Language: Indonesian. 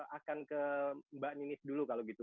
saya akan ke mbak ninis dulu kalau gitu